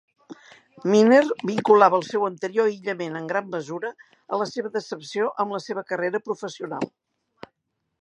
Miner vinculava el seu anterior aïllament en gran mesura a la seva decepció amb la seva carrera professional.